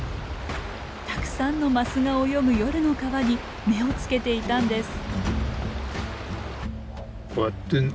たくさんのマスが泳ぐ夜の川に目を付けていたんです。